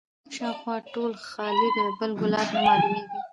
شاوخوا ټوله خالي ده بل ګلاب نه معلومیږي